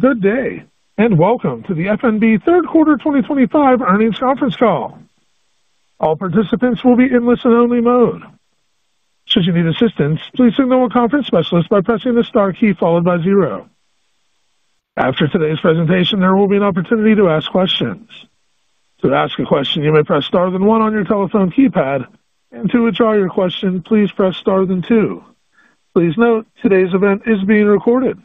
Good day, and welcome to the F.N.B. Third Quarter 2025 Earnings Conference Call. All participants will be in listen-only mode. Should you need assistance, please signal a conference specialist by pressing the star key followed by zero. After today's presentation, there will be an opportunity to ask questions. To ask a question, you may press star then one on your telephone keypad, and to withdraw your question, please press star then two. Please note, today's event is being recorded.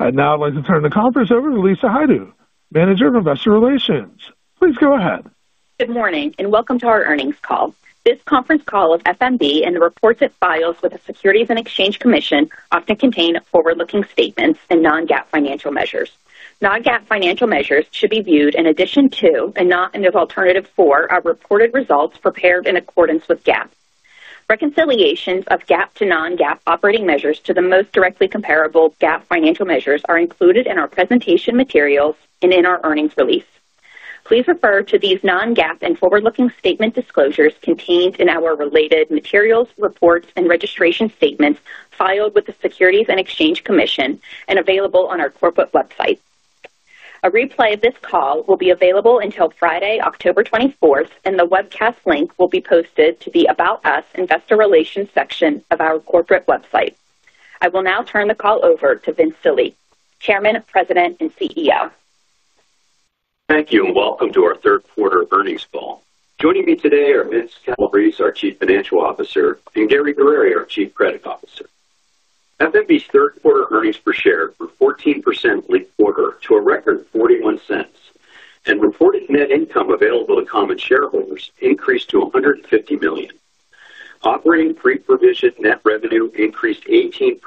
I'd now like to turn the conference over to Lisa Hajdu, Manager of Investor Relations. Please go ahead. Good morning, and welcome to our earnings call. This conference call is F.N.B., and the reports it files with the Securities and Exchange Commission often contain forward-looking statements and non-GAAP financial measures. Non-GAAP financial measures should be viewed in addition to, and not in lieu of, our reported results prepared in accordance with GAAP. Reconciliations of GAAP to non-GAAP operating measures to the most directly comparable GAAP financial measures are included in our presentation materials and in our earnings release. Please refer to these non-GAAP and forward-looking statement disclosures contained in our related materials, reports, and registration statements filed with the Securities and Exchange Commission and available on our corporate website. A replay of this call will be available until Friday, October 24, and the webcast link will be posted to the About Us Investor Relations section of our corporate website. I will now turn the call over to Vince Delie, Chairman, President, and CEO. Thank you, and welcome to our third quarter earnings call. Joining me today are Vince Calabrese, our Chief Financial Officer, and Gary L. Guerrieri, our Chief Credit Officer. F.N.B.'s third quarter earnings per share grew 14% late quarter to a record $0.41, and reported net income available to common shareholders increased to $150 million. Operating pre-provision net revenue increased 18%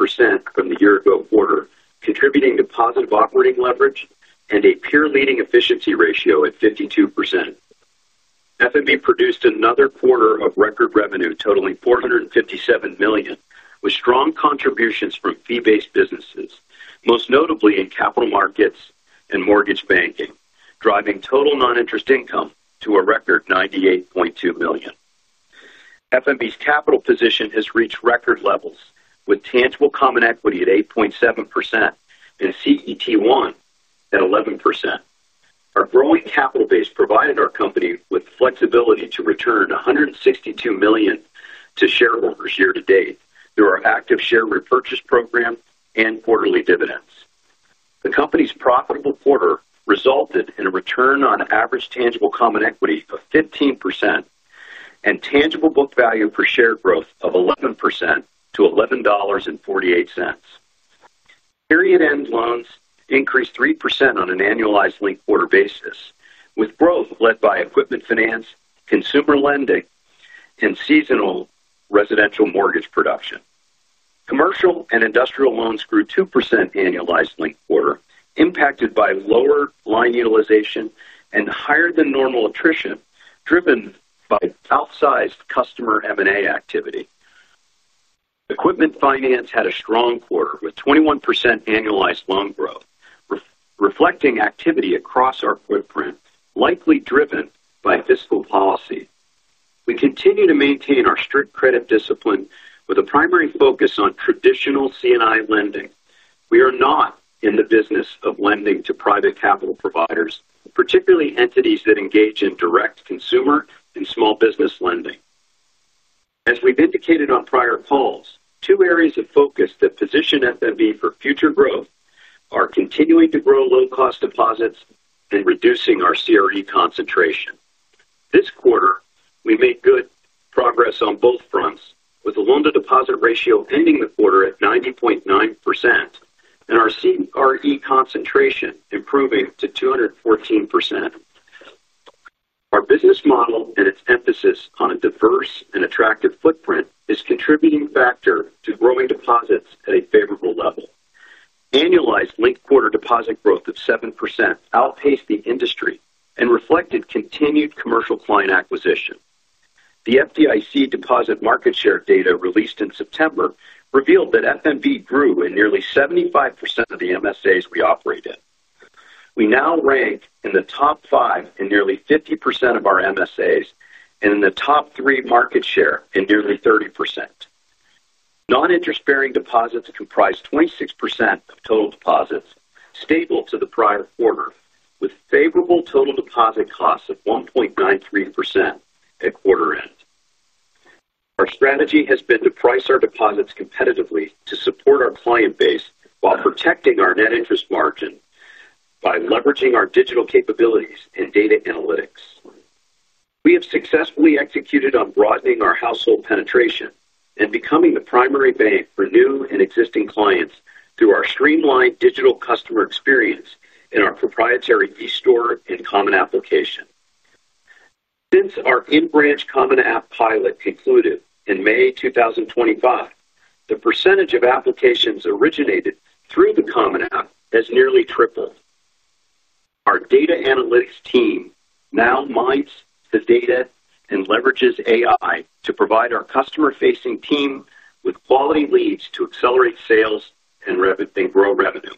from the year-ago quarter, contributing to positive operating leverage and a peer-leading efficiency ratio at 52%. F.N.B. produced another quarter of record revenue totaling $457 million, with strong contributions from fee-based businesses, most notably in capital markets and mortgage banking, driving total non-interest income to a record $98.2 million. F.N.B.'s capital position has reached record levels, with tangible common equity at 8.7% and CET1 at 11%. Our growing capital base provided our company with flexibility to return $162 million to shareholders year to date through our active share repurchase program and quarterly dividends. The company's profitable quarter resulted in a return on average tangible common equity of 15% and tangible book value per share growth of 11% to $11.48. Period end loans increased 3% on an annualized linked quarter basis, with growth led by equipment finance, consumer lending, and seasonal residential mortgage production. Commercial and industrial loans grew 2% annualized linked quarter, impacted by lower line utilization and higher than normal attrition driven by outsized customer M&A activity. Equipment finance had a strong quarter with 21% annualized loan growth, reflecting activity across our footprint, likely driven by fiscal policy. We continue to maintain our strict credit discipline with a primary focus on traditional C&I lending. We are not in the business of lending to private capital providers, particularly entities that engage in direct consumer and small business lending. As we've indicated on prior calls, two areas of focus that position F.N.B. for future growth are continuing to grow low-cost deposits and reducing our CRE concentration. This quarter, we made good progress on both fronts, with the loan-to-deposit ratio ending the quarter at 90.9% and our CRE concentration improving to 214%. Our business model and its emphasis on a diverse and attractive footprint is a contributing factor to growing deposits at a favorable level. Annualized linked quarter deposit growth of 7% outpaced the industry and reflected continued commercial client acquisition. The FDIC deposit market share data released in September revealed that F.N.B. grew in nearly 75% of the MSAs we operate in. We now rank in the top five in nearly 50% of our MSAs and in the top three market share in nearly 30%. Non-interest-bearing deposits comprise 26% of total deposits, stable to the prior quarter, with favorable total deposit costs of 1.93% at quarter end. Our strategy has been to price our deposits competitively to support our client base while protecting our net interest margin by leveraging our digital capabilities and data analytics. We have successfully executed on broadening our household penetration and becoming the primary bank for new and existing clients through our streamlined digital customer experience and our proprietary e-store and common application. Since our in-branch common application pilot concluded in May 2025, the percentage of applications originated through the common application has nearly tripled. Our data analytics team now mines the data and leverages AI to provide our customer-facing team with quality leads to accelerate sales and grow revenue.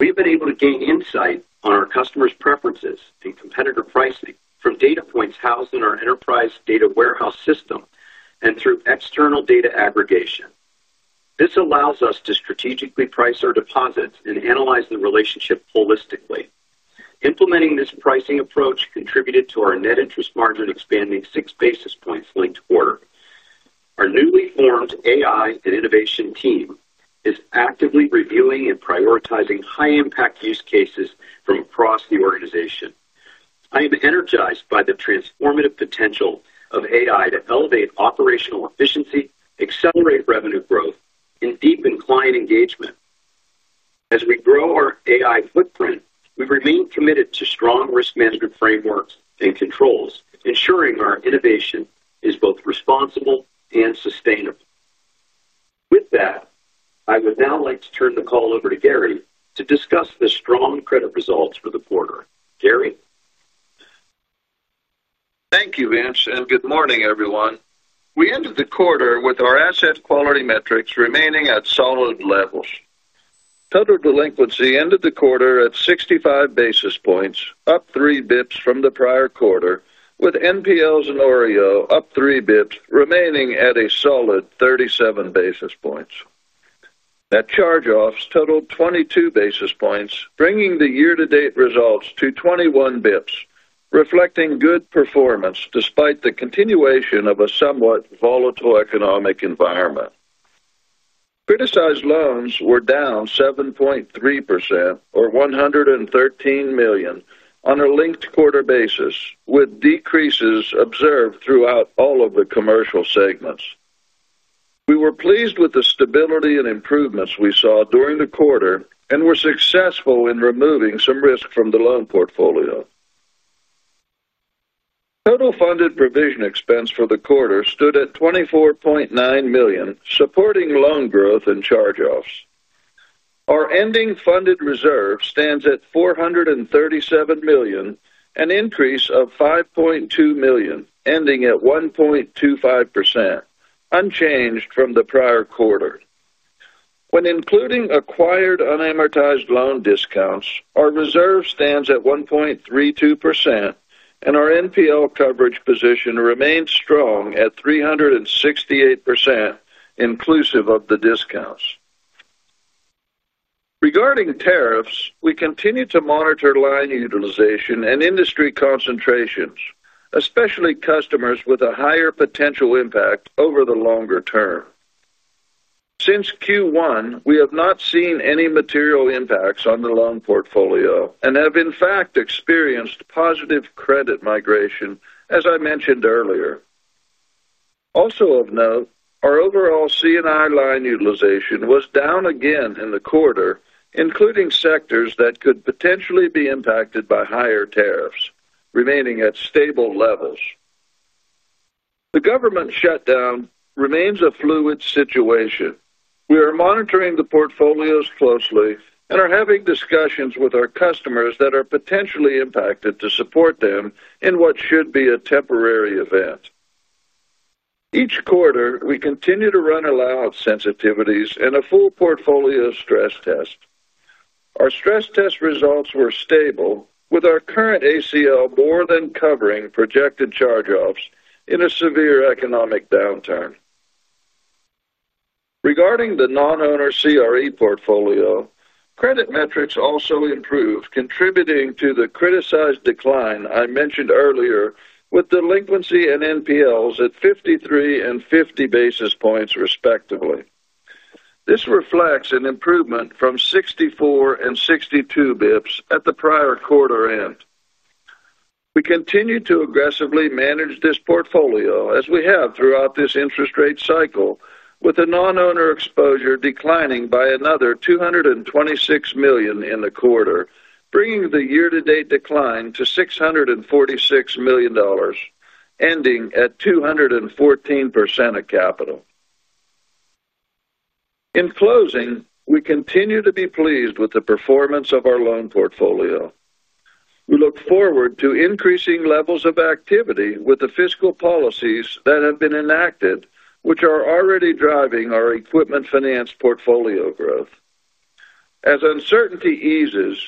We have been able to gain insight on our customers' preferences and competitor pricing from data points housed in our enterprise data warehouse system and through external data aggregation. This allows us to strategically price our deposits and analyze the relationship holistically. Implementing this pricing approach contributed to our net interest margin expanding six basis points linked quarter. Our newly formed AI and innovation team is actively reviewing and prioritizing high-impact use cases from across the organization. I am energized by the transformative potential of AI to elevate operational efficiency, accelerate revenue growth, and deepen client engagement. As we grow our AI footprint, we remain committed to strong risk management frameworks and controls, ensuring our innovation is both responsible and sustainable. With that, I would now like to turn the call over to Gary to discuss the strong credit results for the quarter. Gary. Thank you, Vince, and good morning, everyone. We ended the quarter with our asset quality metrics remaining at solid levels. Total delinquency ended the quarter at 0.65%, up 3 bps from the prior quarter, with NPLs and OREO up 3 bps, remaining at a solid 0.37%. Net charge-offs totaled 0.22%, bringing the year-to-date results to 0.21%, reflecting good performance despite the continuation of a somewhat volatile economic environment. Criticized loans were down 7.3% or $113 million on a linked quarter basis, with decreases observed throughout all of the commercial segments. We were pleased with the stability and improvements we saw during the quarter and were successful in removing some risk from the loan portfolio. Total funded provision expense for the quarter stood at $24.9 million, supporting loan growth and charge-offs. Our ending funded reserve stands at $437 million, an increase of $5.2 million, ending at 1.25%, unchanged from the prior quarter. When including acquired unamortized loan discounts, our reserve stands at 1.32%, and our NPL coverage position remains strong at 368%, inclusive of the discounts. Regarding tariffs, we continue to monitor line utilization and industry concentrations, especially customers with a higher potential impact over the longer term. Since Q1, we have not seen any material impacts on the loan portfolio and have, in fact, experienced positive credit migration, as I mentioned earlier. Also of note, our overall C&I line utilization was down again in the quarter, including sectors that could potentially be impacted by higher tariffs, remaining at stable levels. The government shutdown remains a fluid situation. We are monitoring the portfolios closely and are having discussions with our customers that are potentially impacted to support them in what should be a temporary event. Each quarter, we continue to run allowance sensitivities and a full portfolio stress test. Our stress test results were stable, with our current ACL more than covering projected charge-offs in a severe economic downturn. Regarding the non-owner CRE portfolio, credit metrics also improved, contributing to the criticized decline I mentioned earlier, with delinquency and NPLs at 0.53% and 0.50%, respectively. This reflects an improvement from 0.64% and 0.62% at the prior quarter end. We continue to aggressively manage this portfolio, as we have throughout this interest rate cycle, with a non-owner CRE exposure declining by another $226 million in the quarter, bringing the year-to-date decline to $646 million, ending at 214% of capital. In closing, we continue to be pleased with the performance of our loan portfolio. We look forward to increasing levels of activity with the fiscal policies that have been enacted, which are already driving our equipment finance portfolio growth. As uncertainty eases,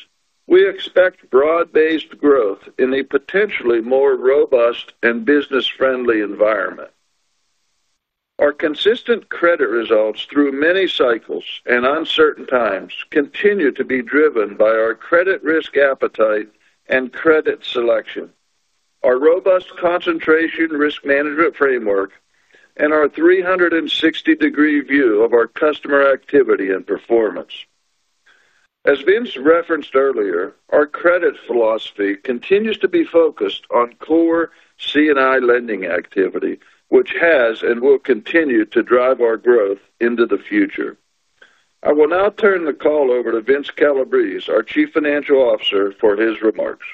we expect broad-based growth in a potentially more robust and business-friendly environment. Our consistent credit results through many cycles and uncertain times continue to be driven by our credit risk appetite and credit selection, our robust concentration risk management framework, and our 360-degree view of our customer activity and performance. As Vince referenced earlier, our credit philosophy continues to be focused on core C&I lending activity, which has and will continue to drive our growth into the future. I will now turn the call over to Vince Calabrese, our Chief Financial Officer, for his remarks.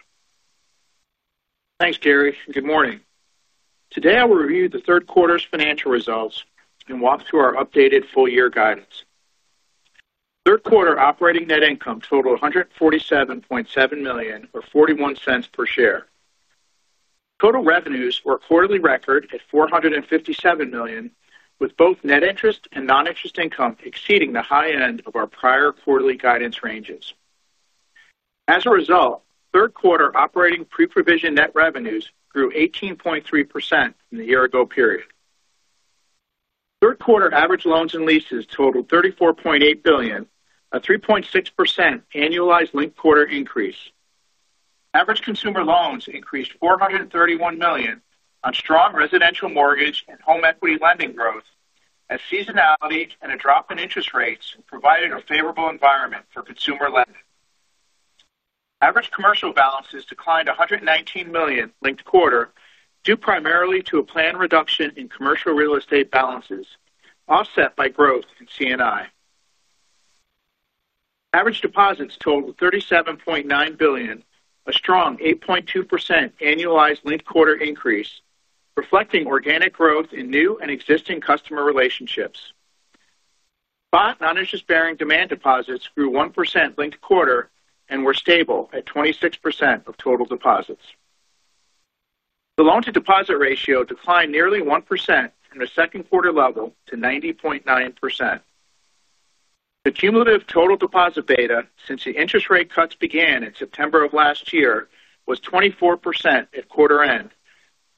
Thanks, Gary. Good morning. Today, I will review the third quarter's financial results and walk through our updated full-year guidance. Third quarter operating net income totaled $147.7 million or $0.41 per share. Total revenues were a quarterly record at $457 million, with both net interest and non-interest income exceeding the high end of our prior quarterly guidance ranges. As a result, third quarter operating pre-provision net revenues grew 18.3% from the year-ago period. Third quarter average loans and leases totaled $34.8 billion, a 3.6% annualized linked quarter increase. Average consumer loans increased $431 million on strong residential mortgage and home equity lending growth, as seasonality and a drop in interest rates provided a favorable environment for consumer lending. Average commercial balances declined $119 million linked quarter, due primarily to a planned reduction in commercial real estate balances, offset by growth in C&I. Average deposits totaled $37.9 billion, a strong 8.2% annualized linked quarter increase, reflecting organic growth in new and existing customer relationships. Spot non-interest-bearing demand deposits grew 1% linked quarter and were stable at 26% of total deposits. The loan-to-deposit ratio declined nearly 1% from the second quarter level to 90.9%. The cumulative total deposit beta, since the interest rate cuts began in September of last year, was 24% at quarter end,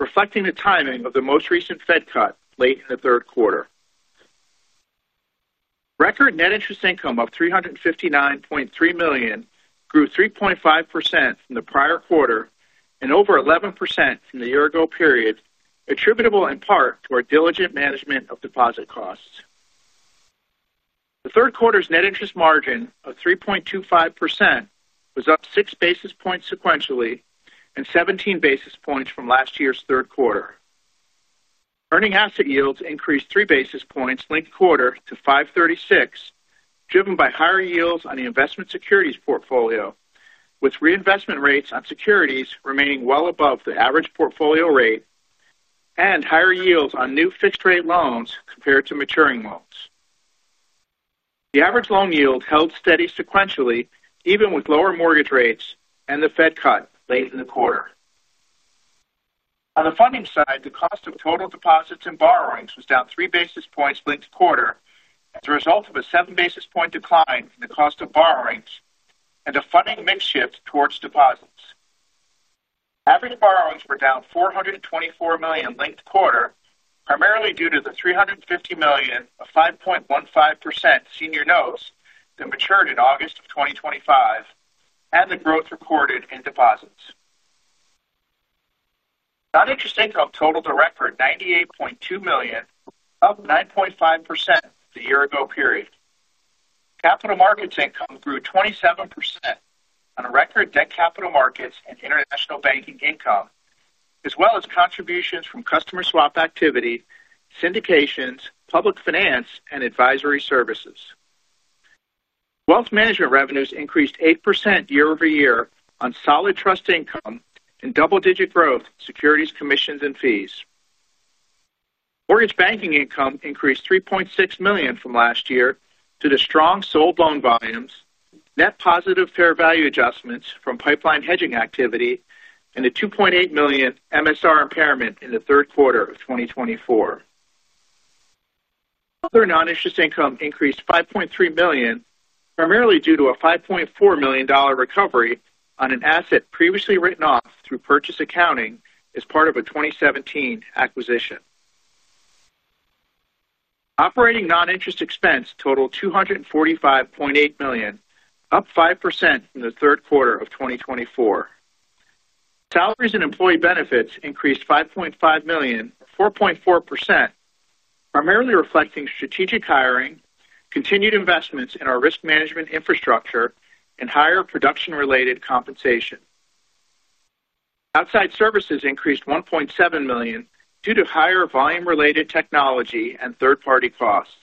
reflecting the timing of the most recent Fed cut late in the third quarter. Record net interest income of $359.3 million grew 3.5% from the prior quarter and over 11% from the year-ago period, attributable in part to our diligent management of deposit costs. The third quarter's net interest margin of 3.25% was up 6 basis points sequentially and 17 basis points from last year's third quarter. Earning asset yields increased 3 basis points linked quarter to 5.36%, driven by higher yields on the investment securities portfolio, with reinvestment rates on securities remaining well above the average portfolio rate and higher yields on new fixed-rate loans compared to maturing loans. The average loan yield held steady sequentially, even with lower mortgage rates and the Fed cut late in the quarter. On the funding side, the cost of total deposits and borrowings was down 3 basis points linked quarter, as a result of a 7 basis point decline in the cost of borrowings and a funding mix shift towards deposits. Average borrowings were down $424 million linked quarter, primarily due to the $350 million of 5.15% senior notes that matured in August of 2025 and the growth reported in deposits. Non-interest income totaled a record $98.2 million, up 9.5% from the year-ago period. Capital markets income grew 27% on a record debt capital markets and international banking income, as well as contributions from customer swap activity, syndications, public finance, and advisory services. Wealth management revenues increased 8% year-over-year on solid trust income and double-digit growth in securities, commissions, and fees. Mortgage banking income increased $3.6 million from last year due to strong sold loan volumes, net positive fair value adjustments from pipeline hedging activity, and a $2.8 million MSR impairment in the third quarter of 2024. Other non-interest income increased $5.3 million, primarily due to a $5.4 million recovery on an asset previously written off through purchase accounting as part of a 2017 acquisition. Operating non-interest expense totaled $245.8 million, up 5% from the third quarter of 2024. Salaries and employee benefits increased $5.5 million, 4.4%, primarily reflecting strategic hiring, continued investments in our risk management infrastructure, and higher production-related compensation. Outside services increased $1.7 million due to higher volume-related technology and third-party costs.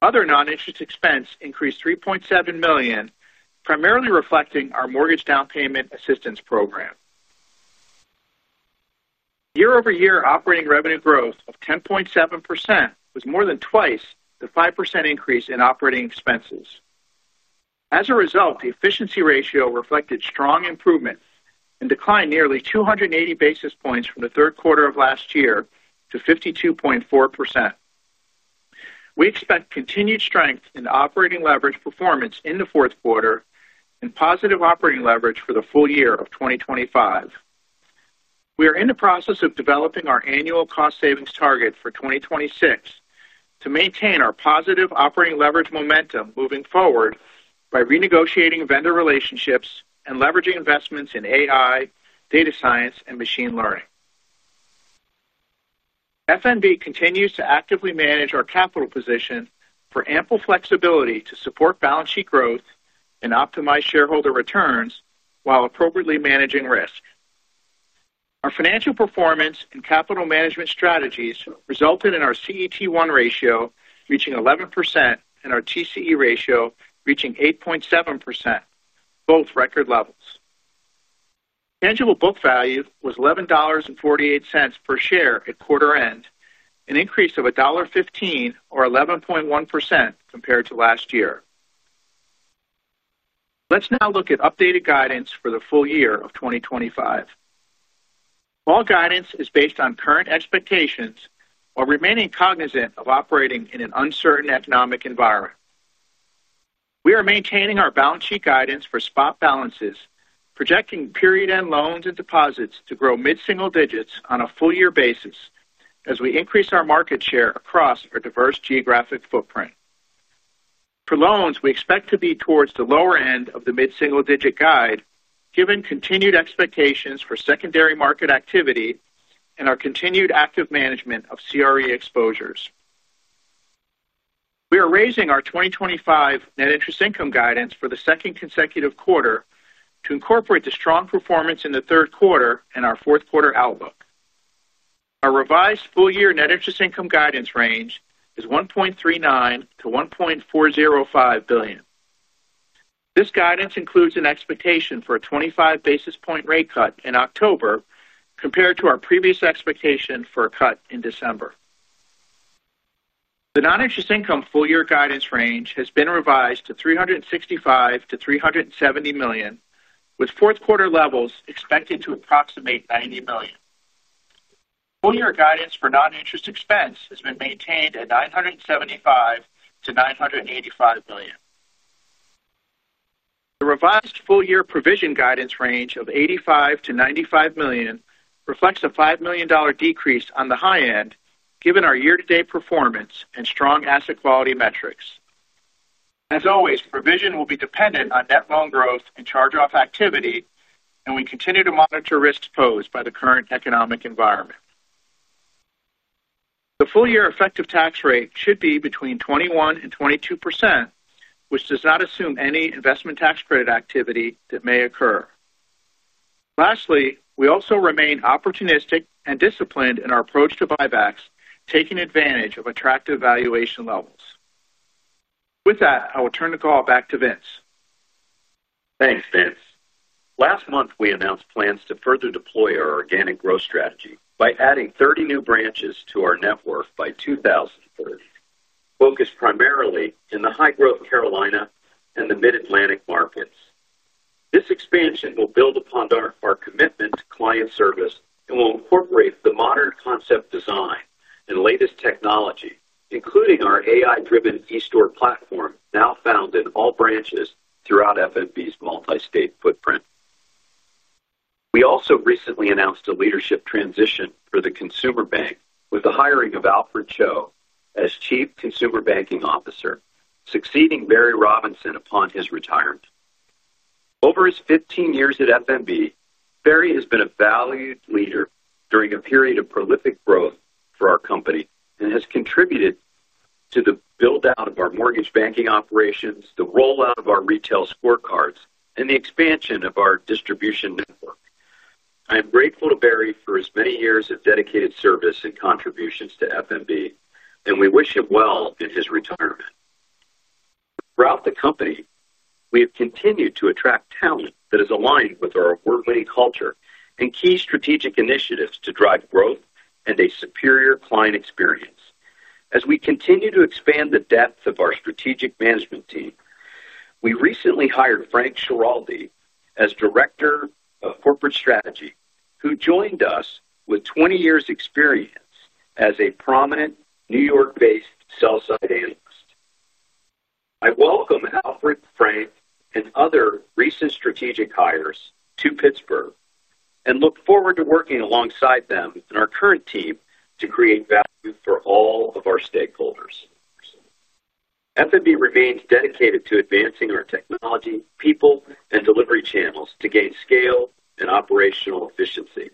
Other non-interest expense increased $3.7 million, primarily reflecting our mortgage down payment assistance program. Year-over-year operating revenue growth of 10.7% was more than twice the 5% increase in operating expenses. As a result, the efficiency ratio reflected strong improvement and declined nearly 280 basis points from the third quarter of last year to 52.4%. We expect continued strength in operating leverage performance in the fourth quarter and positive operating leverage for the full year of 2025. We are in the process of developing our annual cost savings target for 2026 to maintain our positive operating leverage momentum moving forward by renegotiating vendor relationships and leveraging investments in AI, data science, and machine learning. F.N.B. continues to actively manage our capital position for ample flexibility to support balance sheet growth and optimize shareholder returns while appropriately managing risk. Our financial performance and capital management strategies resulted in our CET1 ratio reaching 11% and our TCE ratio reaching 8.7%, both record levels. Tangible book value was $11.48 per share at quarter end, an increase of $1.15 or 11.1% compared to last year. Let's now look at updated guidance for the full year of 2025. All guidance is based on current expectations while remaining cognizant of operating in an uncertain economic environment. We are maintaining our balance sheet guidance for spot balances, projecting period-end loans and deposits to grow mid-single digits on a full-year basis as we increase our market share across our diverse geographic footprint. For loans, we expect to be towards the lower end of the mid-single digit guide, given continued expectations for secondary market activity and our continued active management of CRE exposures. We are raising our 2025 net interest income guidance for the second consecutive quarter to incorporate the strong performance in the third quarter and our fourth quarter outlook. Our revised full-year net interest income guidance range is $1.39-$1.405 billion. This guidance includes an expectation for a 25 basis point rate cut in October compared to our previous expectation for a cut in December. The non-interest income full-year guidance range has been revised to $365-$370 million, with fourth quarter levels expected to approximate $90 million. Full-year guidance for non-interest expense has been maintained at $975-$985 million. The revised full-year provision guidance range of $85-$95 million reflects a $5 million decrease on the high end, given our year-to-date performance and strong asset quality metrics. As always, provision will be dependent on net loan growth and charge-off activity, and we continue to monitor risks posed by the current economic environment. The full-year effective tax rate should be between 21% and 22%, which does not assume any investment tax credit activity that may occur. Lastly, we also remain opportunistic and disciplined in our approach to buybacks, taking advantage of attractive valuation levels. With that, I will turn the call back to Vince. Thanks, Vince. Last month, we announced plans to further deploy our organic growth strategy by adding 30 new branches to our network by 2030, focused primarily in the high-growth Carolinas and the Mid-Atlantic markets. This expansion will build upon our commitment to client service and will incorporate the modern concept design and latest technology, including our AI-driven e-store platform now found in all branches throughout F.N.B.'s multi-state footprint. We also recently announced a leadership transition for the consumer bank with the hiring of Alfred Cho as Chief Consumer Banking Officer, succeeding Barry Robinson upon his retirement. Over his 15 years at F.N.B., Barry has been a valued leader during a period of prolific growth for our company and has contributed to the build-out of our mortgage banking operations, the rollout of our retail scorecards, and the expansion of our distribution network. I am grateful to Barry for his many years of dedicated service and contributions to F.N.B., and we wish him well in his retirement. Throughout the company, we have continued to attract talent that is aligned with our award-winning culture and key strategic initiatives to drive growth and a superior client experience. As we continue to expand the depth of our strategic management team, we recently hired Frank Schiraldi as Director of Corporate Strategy, who joined us with 20 years' experience as a prominent New York-based sell-side analyst. I welcome Alfred, Frank, and other recent strategic hires to Pittsburgh and look forward to working alongside them and our current team to create value for all of our stakeholders. F.N.B. remains dedicated to advancing our technology, people, and delivery channels to gain scale and operational efficiency.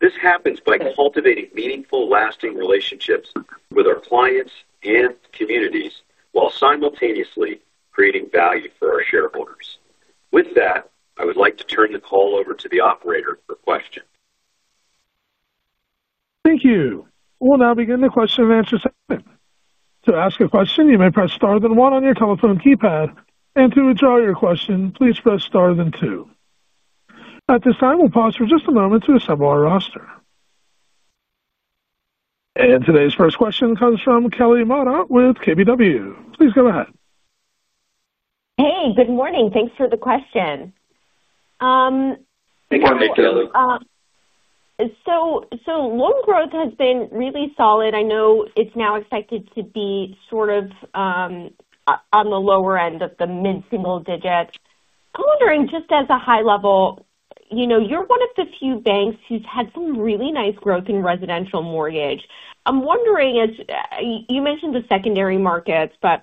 This happens by cultivating meaningful, lasting relationships with our clients and communities while simultaneously creating value for our shareholders. With that, I would like to turn the call over to the operator for questions. Thank you. We'll now begin the question and answer segment. To ask a question, you may press star then one on your telephone keypad, and to withdraw your question, please press star then two. At this time, we'll pause for just a moment to assemble our roster. Today's first question comes from Kelly Motta with KBW. Please go ahead. Hey, good morning. Thanks for the question. Hey, Kelly. Loan growth has been really solid. I know it's now expected to be sort of on the lower end of the mid-single digit. I'm wondering, just as a high level, you know, you're one of the few banks who's had some really nice growth in residential mortgage. I'm wondering, as you mentioned the secondary markets, as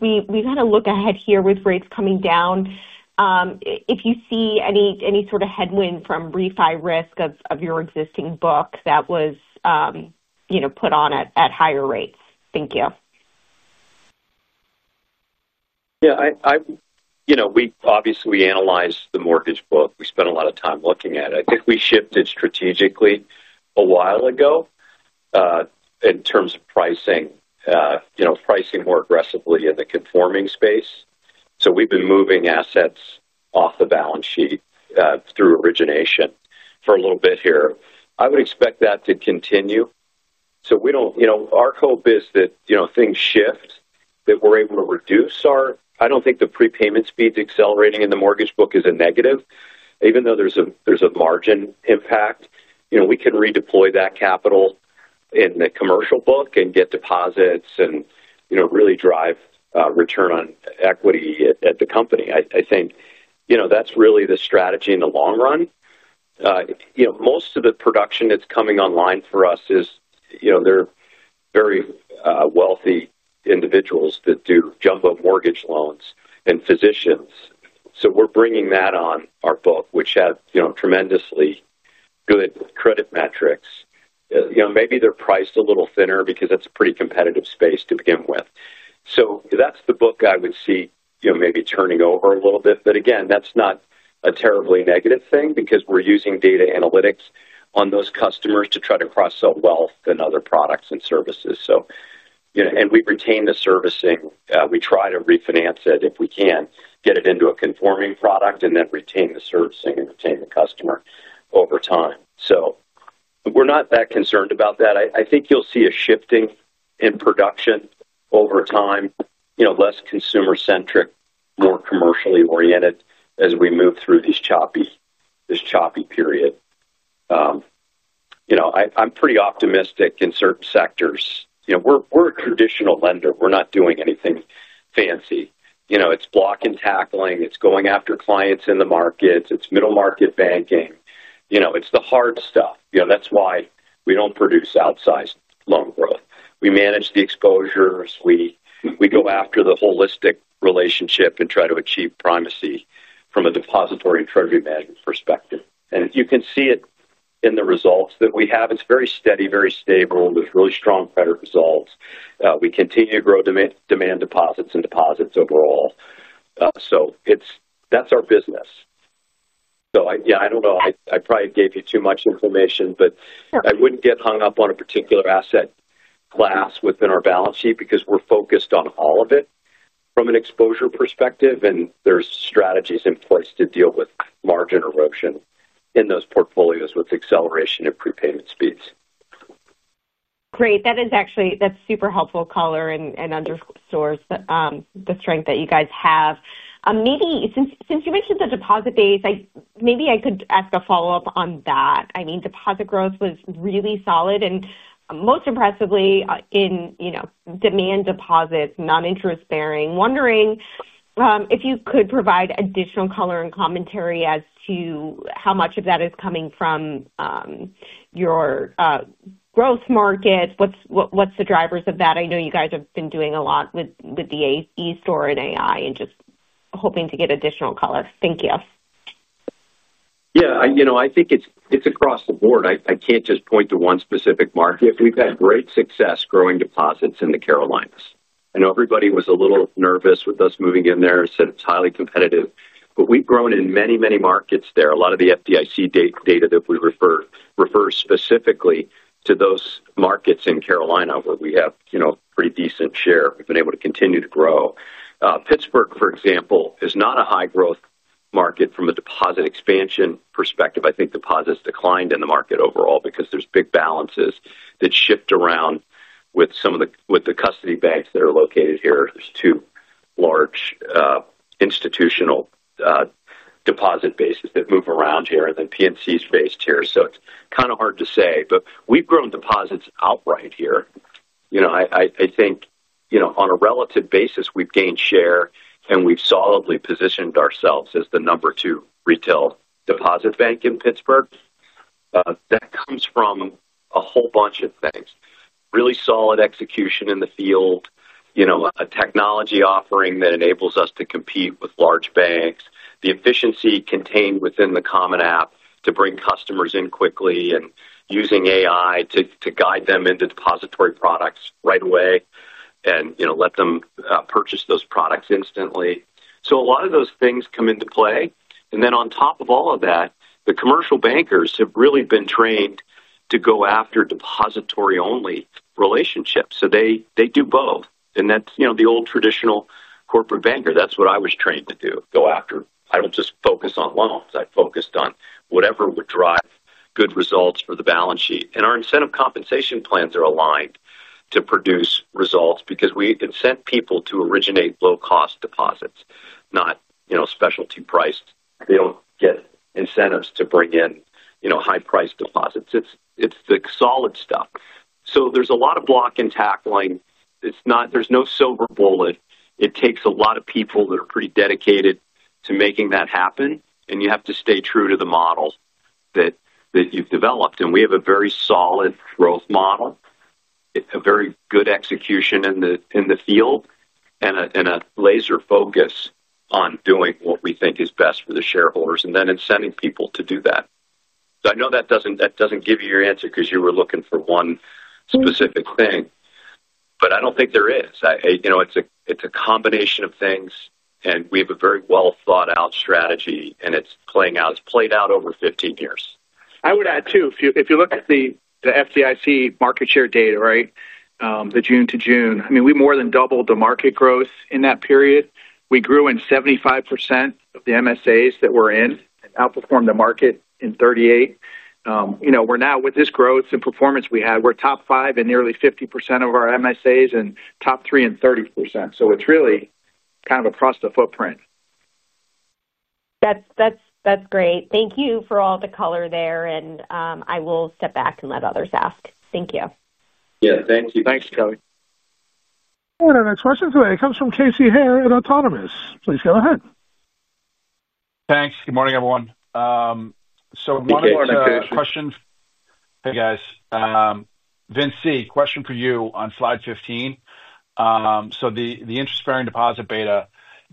we have a look ahead here with rates coming down, if you see any sort of headwind from refi risk of your existing book that was put on at higher rates. Thank you. Yeah, we obviously analyzed the mortgage book. We spent a lot of time looking at it. I think we shifted strategically a while ago, in terms of pricing, pricing more aggressively in the conforming space. We've been moving assets off the balance sheet, through origination for a little bit here. I would expect that to continue. Our hope is that things shift, that we're able to reduce our, I don't think the prepayment speeds accelerating in the mortgage book is a negative. Even though there's a margin impact, we can redeploy that capital in the commercial book and get deposits and really drive return on equity at the company. I think that's really the strategy in the long run. Most of the production that's coming online for us is, they're very wealthy individuals that do jumbo mortgage loans and physicians. We're bringing that on our book, which has tremendously good credit metrics. Maybe they're priced a little thinner because that's a pretty competitive space to begin with. That's the book I would see maybe turning over a little bit. Again, that's not a terribly negative thing because we're using data analytics on those customers to try to cross-sell wealth and other products and services. We retain the servicing. We try to refinance it if we can, get it into a conforming product, and then retain the servicing and retain the customer over time. We're not that concerned about that. I think you'll see a shifting in production over time, less consumer-centric, more commercially oriented as we move through this choppy period. I'm pretty optimistic in certain sectors. We're a traditional lender. We're not doing anything fancy. It's block and tackling. It's going after clients in the markets. It's middle-market banking. It's the hard stuff. That's why we don't produce outsized loan growth. We manage the exposures. We go after the holistic relationship and try to achieve primacy from a depository and treasury management perspective. You can see it in the results that we have. It's very steady, very stable. There's really strong credit results. We continue to grow demand deposits and deposits overall. That's our business. I don't know. I probably gave you too much information, but I wouldn't get hung up on a particular asset class within our balance sheet because we're focused on all of it from an exposure perspective, and there are strategies in place to deal with margin erosion in those portfolios with acceleration and prepayment speeds. Great. That is actually super helpful and underscores the strength that you guys have. Maybe since you mentioned the deposit days, maybe I could ask a follow-up on that. I mean, deposit growth was really solid and most impressively in, you know, demand deposits, non-interest bearing. Wondering if you could provide additional color and commentary as to how much of that is coming from your growth markets. What's the drivers of that? I know you guys have been doing a lot with the e-store and AI and just hoping to get additional color. Thank you. Yeah, you know, I think it's across the board. I can't just point to one specific market. We've had great success growing deposits in the Carolinas. I know everybody was a little nervous with us moving in there and said it's highly competitive, but we've grown in many, many markets there. A lot of the FDIC data that we refer specifically to those markets in the Carolinas where we have, you know, a pretty decent share. We've been able to continue to grow. Pittsburgh, for example, is not a high-growth market from a deposit expansion perspective. I think deposits declined in the market overall because there's big balances that shift around with some of the custody banks that are located here. There's two large institutional deposit bases that move around here, and then PNC is based here. It's kind of hard to say, but we've grown deposits outright here. I think, on a relative basis, we've gained share and we've solidly positioned ourselves as the number two retail deposit bank in Pittsburgh. That comes from a whole bunch of things. Really solid execution in the field, a technology offering that enables us to compete with large banks, the efficiency contained within the common application to bring customers in quickly and using AI to guide them into depository products right away and let them purchase those products instantly. A lot of those things come into play. On top of all of that, the commercial bankers have really been trained to go after depository-only relationships. They do both. That's the old traditional corporate banker. That's what I was trained to do, go after. I don't just focus on loans. I focused on whatever would drive good results for the balance sheet. Our incentive compensation plans are aligned to produce results because we incent people to originate low-cost deposits, not specialty priced. They don't get incentives to bring in high-priced deposits. It's the solid stuff. There's a lot of block and tackling. There's no silver bullet. It takes a lot of people that are pretty dedicated to making that happen, and you have to stay true to the model that you've developed. We have a very solid growth model, very good execution in the field, and a laser focus on doing what we think is best for the shareholders and then incenting people to do that. I know that doesn't give you your answer because you were looking for one specific thing, but I don't think there is. It's a combination of things, and we have a very well-thought-out strategy, and it's playing out. It's played out over 15 years. I would add too, if you look at the FDIC market share data, the June to June, I mean, we more than doubled the market growth in that period. We grew in 75% of the MSAs that we're in and outperformed the market in 38. You know, we're now with this growth and performance we had, we're top 5 in nearly 50% of our MSAs and top 3 in 30%. It's really kind of across the footprint. That's great. Thank you for all the color there, and I will step back and let others ask. Thank you. Yeah, thank you. Thanks, Kelly. All right, our next question today comes from Casey Hare at Autonomous. Please go ahead. Thanks. Good morning, everyone. One question. Good morning, Marcus. Hey, guys. Vince C, question for you on slide 15. The interest-bearing deposit beta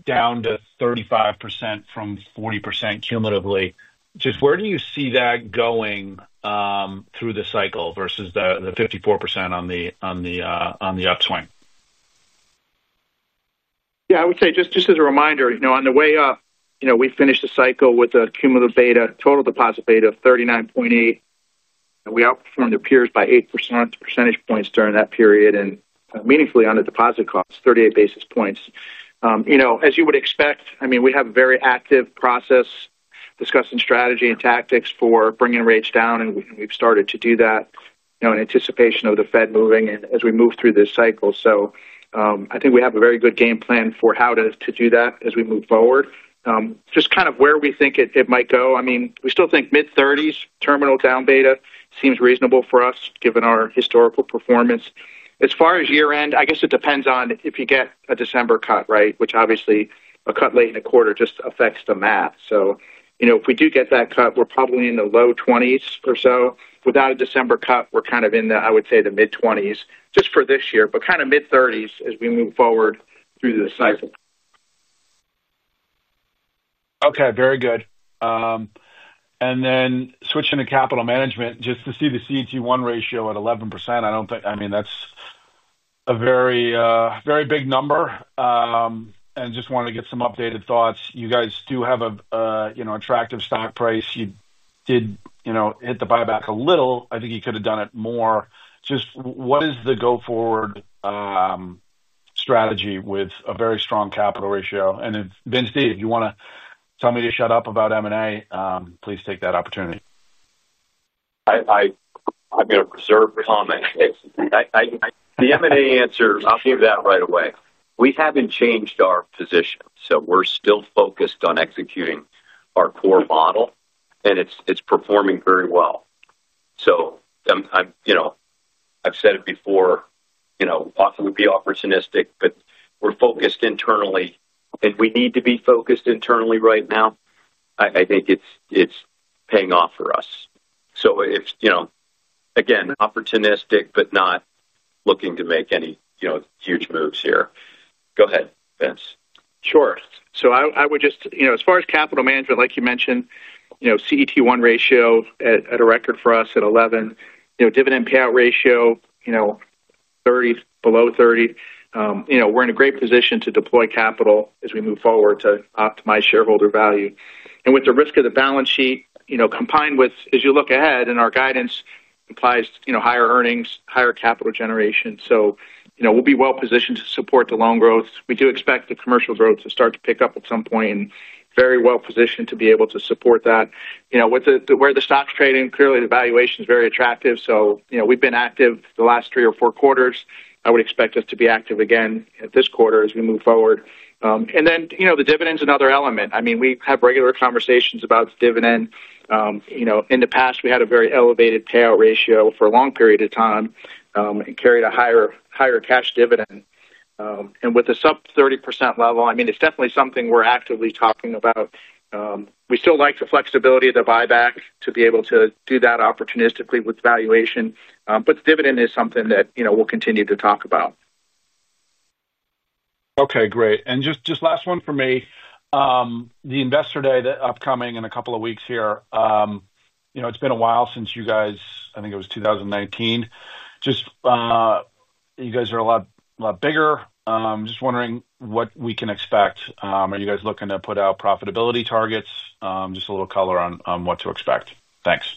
down to 35% from 40% cumulatively. Just where do you see that going, through the cycle versus the 54% on the upswing? Yeah, I would say just as a reminder, you know, on the way up, you know, we finished the cycle with a cumulative beta total deposit beta of 39.8%. We outperformed the peers by 8% during that period and meaningfully on the deposit cost, 38 basis points. You know, as you would expect, I mean, we have a very active process discussing strategy and tactics for bringing rates down, and we've started to do that, you know, in anticipation of the Fed moving and as we move through this cycle. I think we have a very good game plan for how to do that as we move forward, just kind of where we think it might go. I mean, we still think mid-30s terminal down beta seems reasonable for us given our historical performance. As far as year-end, I guess it depends on if you get a December cut, right, which obviously a cut late in a quarter just affects the math. If we do get that cut, we're probably in the low 20s or so. Without a December cut, we're kind of in the, I would say, the mid-20s just for this year, but kind of mid-30s as we move forward through this cycle. Okay, very good. Switching to capital management, just to see the CET1 ratio at 11%, I don't think, I mean, that's a very, very big number. I just wanted to get some updated thoughts. You guys do have a, you know, attractive stock price. You did, you know, hit the buyback a little. I think you could have done it more. What is the go-forward strategy with a very strong capital ratio? If, Vince D, if you want to tell me to shut up about M&A, please take that opportunity. I'm going to preserve the comment. The M&A answer, I'll give that right away. We haven't changed our position. We're still focused on executing our core model, and it's performing very well. I've said it before, often would be opportunistic, but we're focused internally, and we need to be focused internally right now. I think it's paying off for us. Again, opportunistic, but not looking to make any huge moves here. Go ahead, Vince. Sure. As far as capital management, like you mentioned, CET1 ratio at a record for us at 11. Dividend payout ratio below 30%. We're in a great position to deploy capital as we move forward to optimize shareholder value. With the risk of the balance sheet, combined with, as you look ahead and our guidance implies, higher earnings, higher capital generation, we'll be well positioned to support the loan growth. We do expect the commercial growth to start to pick up at some point and are very well positioned to be able to support that. With where the stock's trading, clearly the valuation is very attractive. We've been active the last three or four quarters. I would expect us to be active again this quarter as we move forward. The dividend is another element. We have regular conversations about the dividend. In the past, we had a very elevated payout ratio for a long period of time and carried a higher cash dividend. With a sub-30% level, it's definitely something we're actively talking about. We still like the flexibility of the buyback to be able to do that opportunistically with valuation, but the dividend is something that we'll continue to talk about. Okay, great. Just last one for me. The investor day that's upcoming in a couple of weeks here, you know, it's been a while since you guys, I think it was 2019. You guys are a lot bigger. Just wondering what we can expect. Are you guys looking to put out profitability targets? Just a little color on what to expect. Thanks.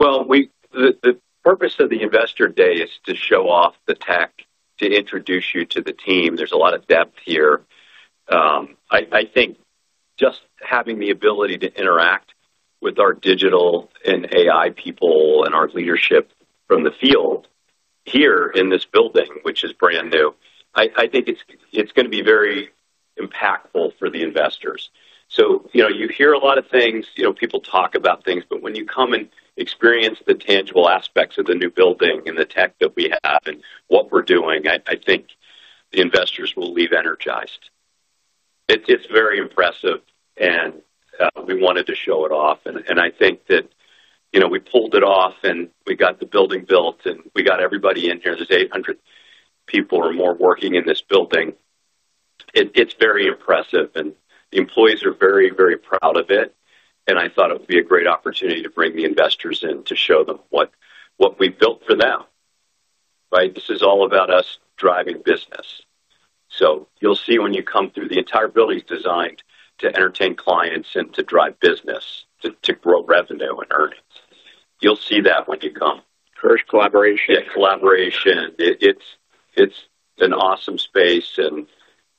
The purpose of the investor day is to show off the tech, to introduce you to the team. There's a lot of depth here. I think just having the ability to interact with our digital and AI people and our leadership from the field here in this building, which is brand new, I think it's going to be very impactful for the investors. You hear a lot of things, people talk about things, but when you come and experience the tangible aspects of the new building and the tech that we have and what we're doing, I think the investors will leave energized. It's very impressive, and we wanted to show it off. I think that we pulled it off and we got the building built and we got everybody in here. There's 800 people or more working in this building. It's very impressive, and the employees are very, very proud of it. I thought it would be a great opportunity to bring the investors in to show them what we built for them, right? This is all about us driving business. You'll see when you come through, the entire building is designed to entertain clients and to drive business, to grow revenue and earnings. You'll see that when you come. Courage, collaboration. Yeah, collaboration. It's an awesome space, and,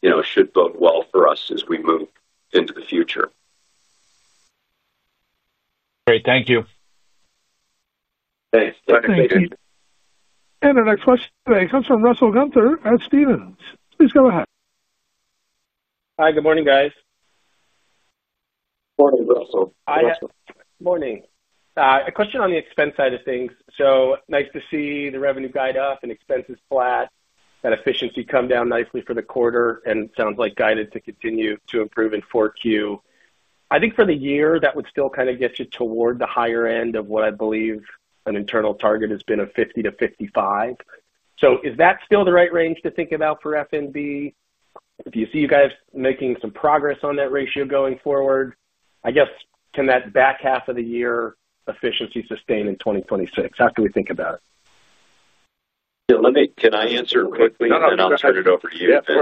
you know, should bode well for us as we move into the future. Great. Thank you. Thanks. Thank you. Our next question today comes from Russell Gunther at Stephens. Please go ahead. Hi, good morning, guys. Morning, Russell. Hi, Russell. Morning. A question on the expense side of things. Nice to see the revenue guide up and expenses flat, that efficiency come down nicely for the quarter, and it sounds like guided to continue to improve in 4Q. I think for the year, that would still kind of get you toward the higher end of what I believe an internal target has been of 50 to 55%. Is that still the right range to think about for F.N.B.? Do you see you guys making some progress on that ratio going forward? Can that back half of the year efficiency sustain in 2026 after we think about it? Yeah, can I answer it quickly? No, no, no. I'll turn it over to you, Vince. Yeah,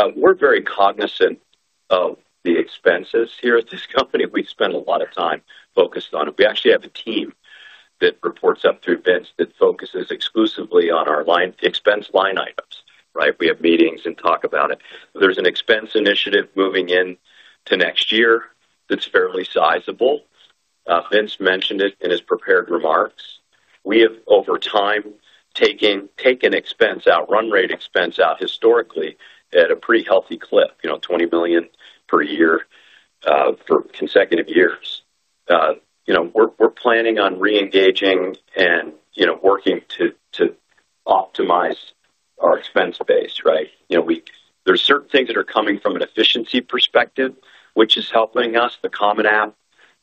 of course. We're very cognizant of the expenses here at this company. We spend a lot of time focused on it. We actually have a team that reports up through Vince that focuses exclusively on our expense line items, right? We have meetings and talk about it. There's an expense initiative moving into next year that's fairly sizable. Vince mentioned it in his prepared remarks. We have, over time, taken expense out, run rate expense out historically at a pretty healthy clip, you know, $20 million per year, for consecutive years. We're planning on re-engaging and working to optimize our expense base, right? There are certain things that are coming from an efficiency perspective, which is helping us. The common application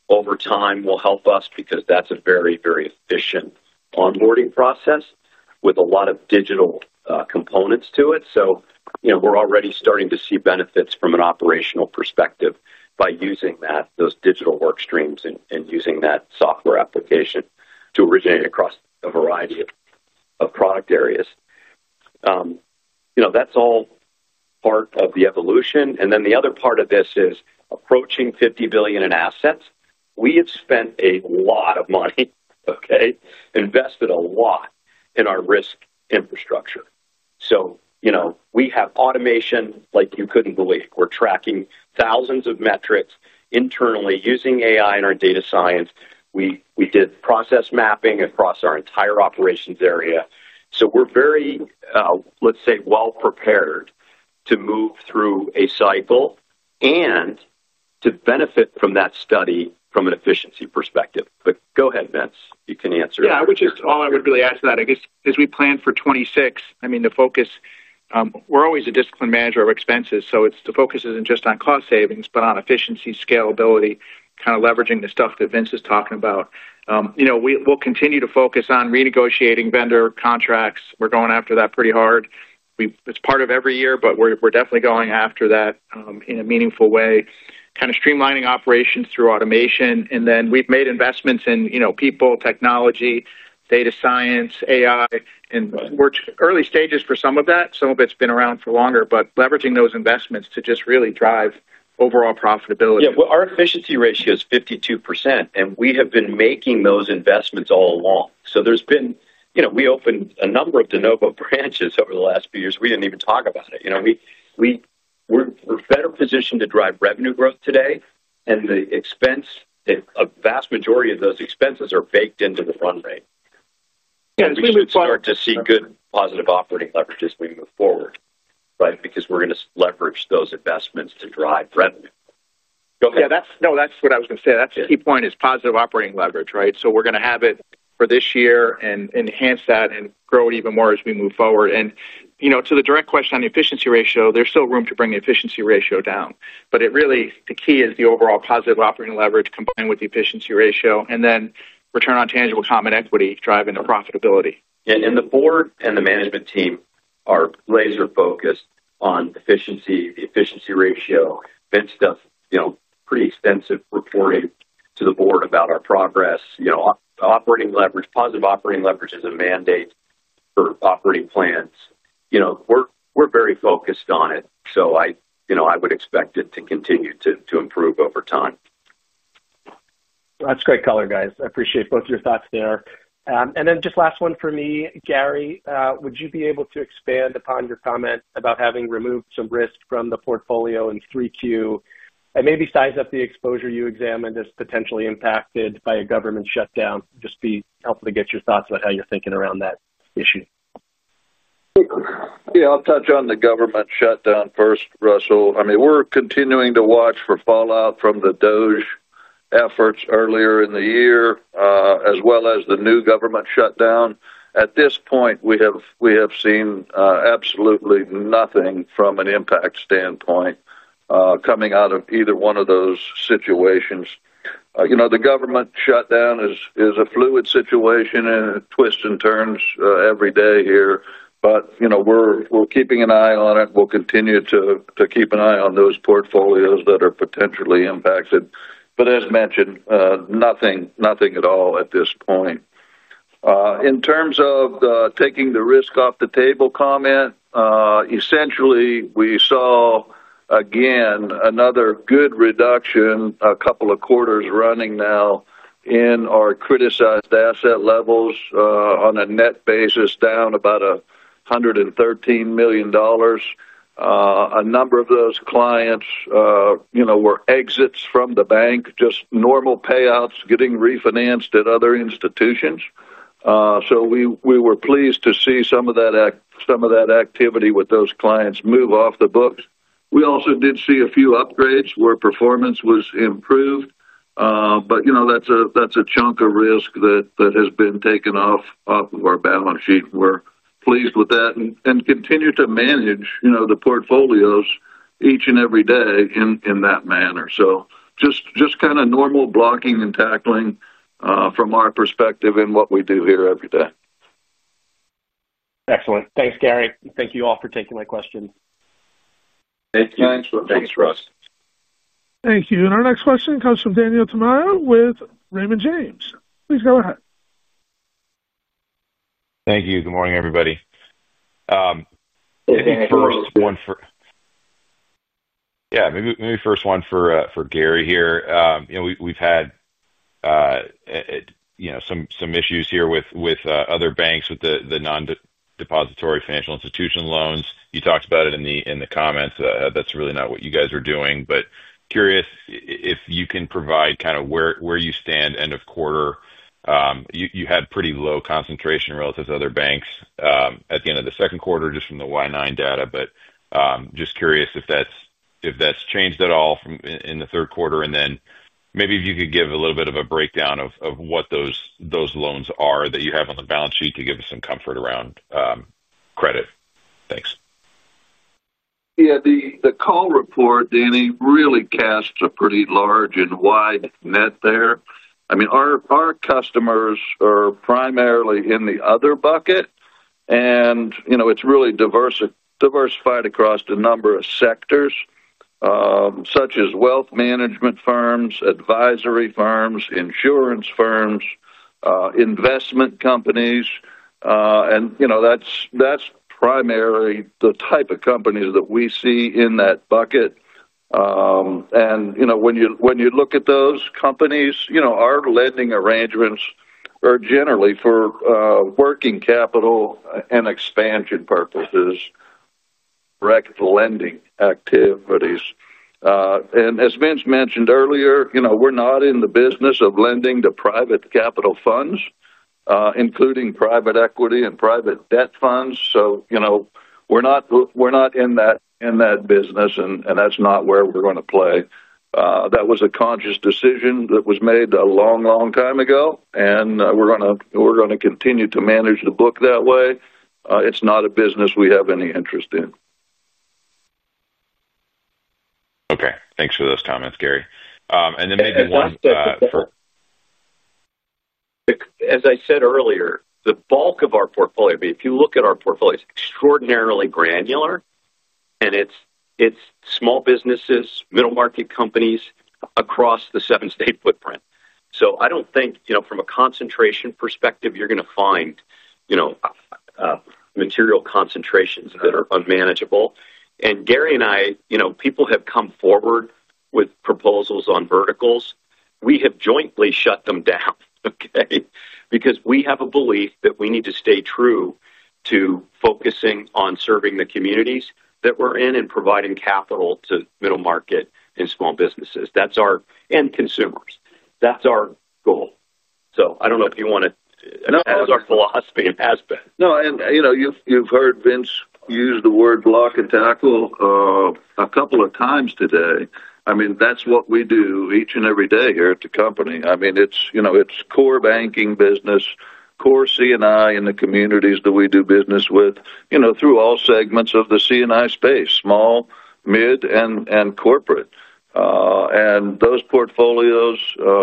over time will help us because that's a very, very efficient onboarding process with a lot of digital components to it. We're already starting to see benefits from an operational perspective by using those digital work streams and using that software application to originate across a variety of product areas. That's all part of the evolution. The other part of this is approaching $50 billion in assets. We have spent a lot of money, invested a lot in our risk infrastructure. We have automation like you couldn't believe. We're tracking thousands of metrics internally using AI in our data science. We did process mapping across our entire operations area. We're very, let's say, well-prepared to move through a cycle and to benefit from that study from an efficiency perspective. Go ahead, Vince. You can answer it. Yeah, I would just, all I would really add to that, I guess, as we plan for 2026, the focus, we're always a disciplined manager of expenses. It's the focus isn't just on cost savings, but on efficiency, scalability, kind of leveraging the stuff that Vince is talking about. You know, we'll continue to focus on renegotiating vendor contracts. We're going after that pretty hard. It's part of every year, but we're definitely going after that in a meaningful way, kind of streamlining operations through automation. We've made investments in people, technology, data science, AI, and we're in early stages for some of that. Some of it's been around for longer, but leveraging those investments to just really drive overall profitability. Yeah, our efficiency ratio is 52%, and we have been making those investments all along. We opened a number of de novo branches over the last few years. We didn't even talk about it. We're better positioned to drive revenue growth today, and the expense, a vast majority of those expenses are baked into the run rate. Yeah, as we move forward. We start to see good positive operating leverage as we move forward, right, because we're going to leverage those investments to drive revenue. Go ahead. Yeah, that's what I was going to say. That's the key point, positive operating leverage, right? We're going to have it for this year and enhance that and grow it even more as we move forward. To the direct question on the efficiency ratio, there's still room to bring the efficiency ratio down. It really is the overall positive operating leverage combined with the efficiency ratio and then return on tangible common equity driving the profitability. The board and the management team are laser-focused on efficiency, the efficiency ratio. Vince does pretty extensive reporting to the board about our progress. Operating leverage, positive operating leverage is a mandate for operating plans. We're very focused on it. I would expect it to continue to improve over time. That's great color, guys. I appreciate both of your thoughts there. Just last one for me, Gary, would you be able to expand upon your comment about having removed some risk from the portfolio in 3Q and maybe size up the exposure you examined as potentially impacted by a government shutdown? It'd just be helpful to get your thoughts about how you're thinking around that issue. Yeah, I'll touch on the government shutdown first, Russell. I mean, we're continuing to watch for fallout from the Doge efforts earlier in the year, as well as the new government shutdown. At this point, we have seen absolutely nothing from an impact standpoint coming out of either one of those situations. You know, the government shutdown is a fluid situation and it twists and turns every day here. You know, we're keeping an eye on it. We'll continue to keep an eye on those portfolios that are potentially impacted. As mentioned, nothing at all at this point. In terms of the taking the risk off the table comment, essentially, we saw again another good reduction a couple of quarters running now in our criticized asset levels on a net basis, down about $113 million. A number of those clients were exits from the bank, just normal payouts getting refinanced at other institutions. We were pleased to see some of that activity with those clients move off the books. We also did see a few upgrades where performance was improved. You know, that's a chunk of risk that has been taken off of our balance sheet. We're pleased with that and continue to manage the portfolios each and every day in that manner. Just kind of normal blocking and tackling from our perspective and what we do here every day. Excellent. Thanks, Gary. Thank you all for taking my question. Thank you. Thanks, Russell. Thank you. Our next question comes from Daniel Tamayo with Raymond James. Please go ahead. Thank you. Good morning, everybody. Maybe first one for. Yeah, maybe first one for Gary here. We've had some issues here with other banks, with the non-depository financial institution loans. You talked about it in the comments. That's really not what you guys are doing. Curious if you can provide kind of where you stand end of quarter. You had pretty low concentration relative to other banks at the end of the second quarter, just from the Y9 data. Curious if that's changed at all in the third quarter. Maybe if you could give a little bit of a breakdown of what those loans are that you have on the balance sheet to give us some comfort around credit. Thanks. Yeah, the call report, Danny, really casts a pretty large and wide net there. I mean, our customers are primarily in the other bucket, and it's really diversified across a number of sectors, such as wealth management firms, advisory firms, insurance firms, investment companies. That's primarily the type of companies that we see in that bucket. When you look at those companies, our lending arrangements are generally for working capital and expansion purposes, direct lending activities. As Vince mentioned earlier, we're not in the business of lending to private capital funds, including private equity and private debt funds. We're not in that business, and that's not where we're going to play. That was a conscious decision that was made a long, long time ago, and we're going to continue to manage the book that way. It's not a business we have any interest in. Okay. Thanks for those comments, Gary. Maybe one. As I said earlier, the bulk of our portfolio, if you look at our portfolio, is extraordinarily granular, and it's small businesses, middle-market companies across the seven-state footprint. I don't think, you know, from a concentration perspective, you're going to find material concentrations that are unmanageable. Gary and I, you know, people have come forward with proposals on verticals. We have jointly shut them down, okay, because we have a belief that we need to stay true to focusing on serving the communities that we're in and providing capital to middle-market and small businesses. That's our end consumers. That's our goal. I don't know if you want to. That was our philosophy and passport. No, you've heard Vince use the word block and tackle a couple of times today. That's what we do each and every day here at the company. It's core banking business, core C&I in the communities that we do business with through all segments of the C&I space, small, mid, and corporate. Those portfolios,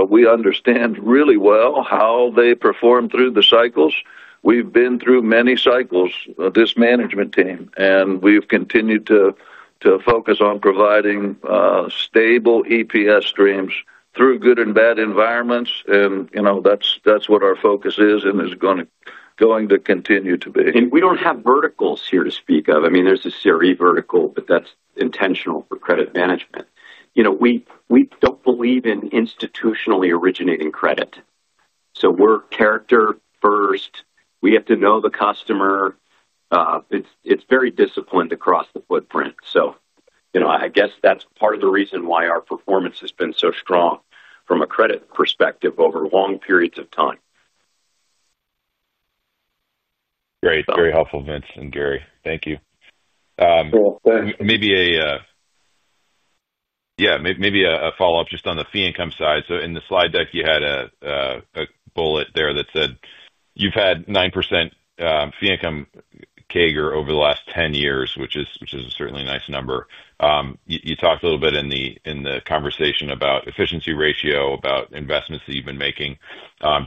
we understand really well how they perform through the cycles. We've been through many cycles, this management team, and we've continued to focus on providing stable EPS streams through good and bad environments. That's what our focus is and is going to continue to be. We don't have verticals here to speak of. I mean, there's a CRE vertical, but that's intentional for credit management. We don't believe in institutionally originating credit. We're character-first. We have to know the customer. It's very disciplined across the footprint. I guess that's part of the reason why our performance has been so strong from a credit perspective over long periods of time. Great, very helpful, Vince and Gary. Thank you. Maybe a follow-up just on the fee income side. In the slide deck, you had a bullet there that said you've had 9% fee income CAGR over the last 10 years, which is a certainly nice number. You talked a little bit in the conversation about efficiency ratio, about investments that you've been making.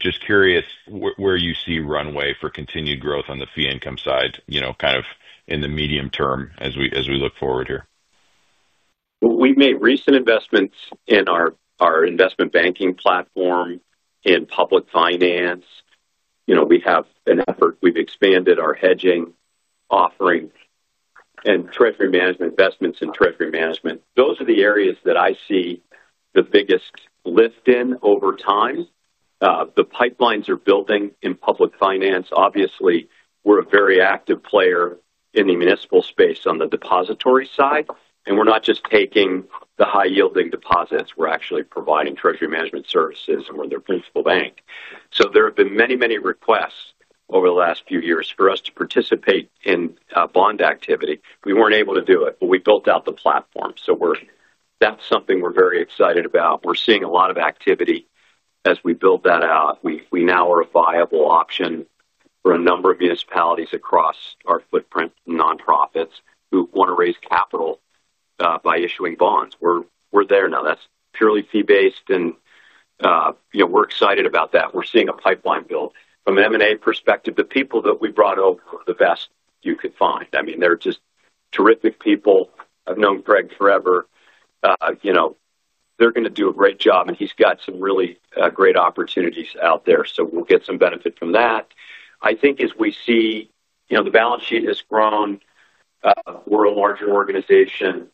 Just curious where you see runway for continued growth on the fee income side, kind of in the medium term as we look forward here. We've made recent investments in our investment banking platform in public finance. We have an effort. We've expanded our hedging offering and investments in treasury management. Those are the areas that I see the biggest lift in over time. The pipelines are building in public finance. Obviously, we're a very active player in the municipal space on the depository side. We're not just taking the high-yielding deposits. We're actually providing treasury management services and we're their principal bank. There have been many, many requests over the last few years for us to participate in bond activity. We weren't able to do it, but we built out the platform. That's something we're very excited about. We're seeing a lot of activity as we build that out. We now are a viable option for a number of municipalities across our footprint and nonprofits who want to raise capital by issuing bonds. We're there now. That's purely fee-based, and we're excited about that. We're seeing a pipeline build. From an M&A perspective, the people that we brought over are the best you could find. I mean, they're just terrific people. I've known Greg forever. They're going to do a great job, and he's got some really great opportunities out there. We'll get some benefit from that. I think as we see, the balance sheet has grown. We're a larger organization.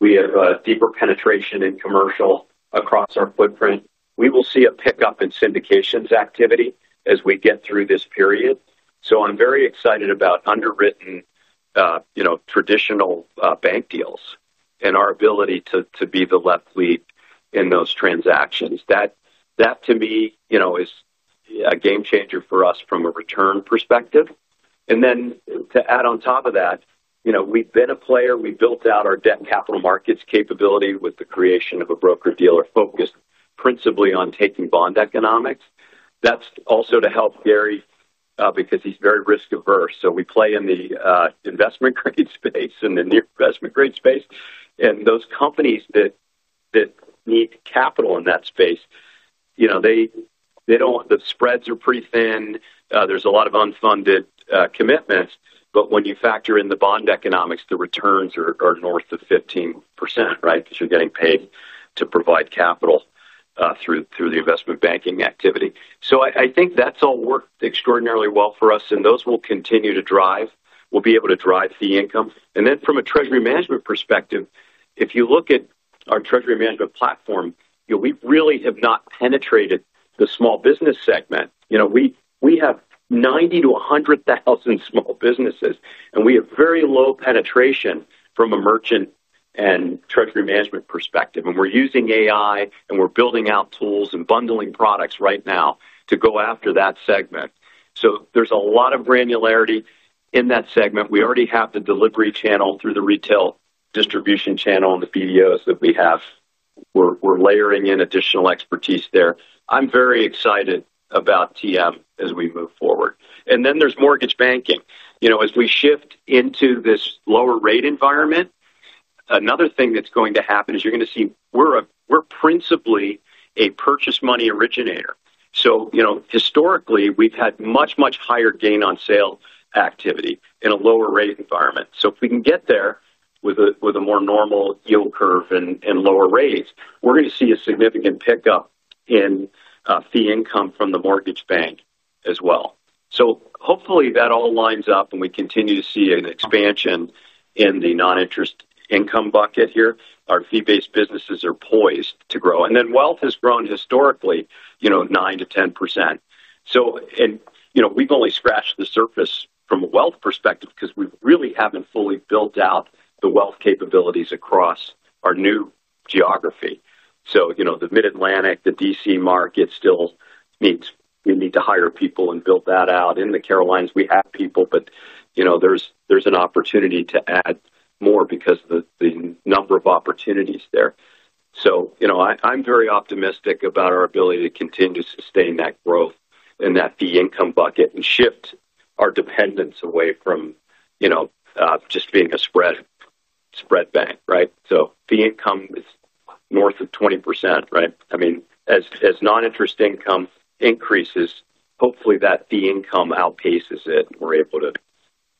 We have a deeper penetration in commercial across our footprint. We will see a pickup in syndications activity as we get through this period. I'm very excited about underwritten, traditional bank deals and our ability to be the left lead in those transactions. That, to me, is a game changer for us from a return perspective. To add on top of that, we've been a player. We built out our debt and capital markets capability with the creation of a broker-dealer focused principally on taking bond economics. That's also to help Gary, because he's very risk-averse. We play in the investment grade space and the near investment grade space. Those companies that need capital in that space, the spreads are pretty thin. There's a lot of unfunded commitments. When you factor in the bond economics, the returns are north of 15%, right, because you're getting paid to provide capital through the investment banking activity. I think that's all worked extraordinarily well for us, and those will continue to drive. We'll be able to drive fee income. From a treasury management perspective, if you look at our treasury management platform, we really have not penetrated the small business segment. We have 90,000-100,000 small businesses, and we have very low penetration from a merchant and treasury management perspective. We're using AI, and we're building out tools and bundling products right now to go after that segment. There's a lot of granularity in that segment. We already have the delivery channel through the retail distribution channel and the BDOs that we have. We're layering in additional expertise there. I'm very excited about TM as we move forward. There's mortgage banking. As we shift into this lower rate environment, another thing that's going to happen is you're going to see we're principally a purchase money originator. Historically, we've had much, much higher gain on sale activity in a lower rate environment. If we can get there with a more normal yield curve and lower rates, we're going to see a significant pickup in fee income from the mortgage bank as well. Hopefully, that all lines up and we continue to see an expansion in the non-interest income bucket here. Our fee-based businesses are poised to grow. Wealth has grown historically, you know, 9%-10%. We've only scratched the surface from a wealth perspective because we really haven't fully built out the wealth capabilities across our new geography. The Mid-Atlantic, the DC market still needs—we need to hire people and build that out. In the Carolinas, we have people, but there's an opportunity to add more because of the number of opportunities there. I'm very optimistic about our ability to continue to sustain that growth in that fee income bucket and shift our dependence away from just being a spread bank, right? Fee income is north of 20%, right? I mean, as non-interest income increases, hopefully, that fee income outpaces it and we're able to